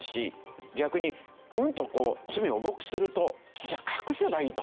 逆にうんとこう罪を重くするとじゃあ隠せばいいと。